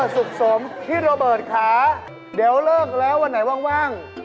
สุขสมพี่โรเบิร์ตค่ะเดี๋ยวเลิกแล้ววันไหนว่าง